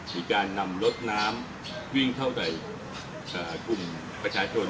มีการนำรถน้ำวิ่งเข้าไปกลุ่มประชาชน